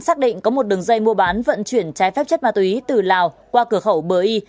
xác định có một đường dây mua bán vận chuyển trái phép chất ma túy từ lào qua cửa khẩu bờ y